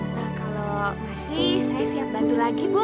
nah kalau masih saya siap bantu lagi bu